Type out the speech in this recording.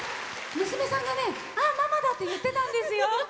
娘さんが「あー、ママだ！」って言ってたんですよ。